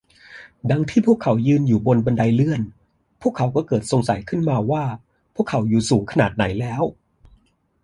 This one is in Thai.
ดังที่พวกเขายืนอยู่บนบันไดเลื่อน พวกเขาก็เกิดสงสัยขึ้นมาว่าพวกเขาอยู่สูงขนาดไหนแล้ว